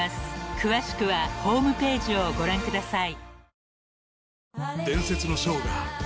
［詳しくはホームページをご覧ください］